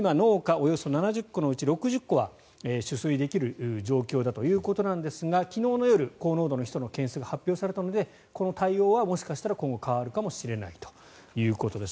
およそ７０戸のうち６０戸は取水できる状況だということなんですが昨日の夜、高濃度のヒ素の検出が発表されたのでこの対応はもしかしたら今後変わるかもしれないということです。